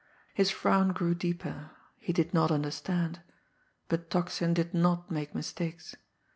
His frown grew deeper he did not understand. But Tocsin did not make mistakes.